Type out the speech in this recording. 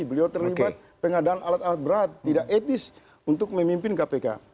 beliau terlibat pengadaan alat alat berat tidak etis untuk memimpin kpk